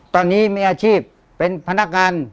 ตอนนี้มีอาชีพเป็นพนักงาน